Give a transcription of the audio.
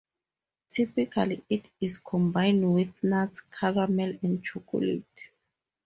Typically it is combined with nuts, caramel, or chocolate.